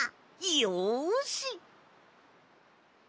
よし！